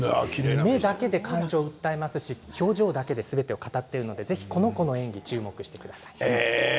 目だけで感情を訴えますし表情だけですべて語っているのでぜひ、この演技注目してください。